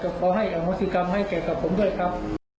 แต่ก็ขอให้อธิกรรมให้แก่กับผมด้วยครับ